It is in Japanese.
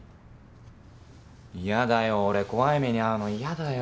嫌だよ俺怖い目に遭うの嫌だよ。